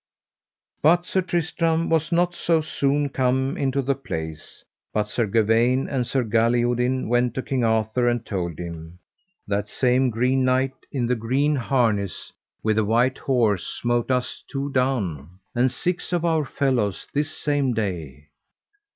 But Sir Tristram was not so soon come into the place, but Sir Gawaine and Sir Galihodin went to King Arthur, and told him: That same green knight in the green harness with the white horse smote us two down, and six of our fellows this same day.